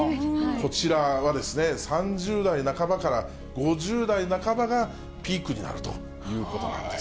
こちらは３０代半ばから５０代半ばがピークになるということなんです。